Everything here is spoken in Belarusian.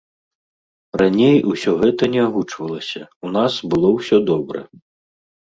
Раней усё гэта не агучвалася, у нас было ўсё добра.